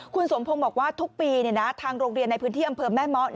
คุณสมพงศ์บอกว่าทุกปีทางโรงเรียนในพื้นที่อำเภอแม่เมาะ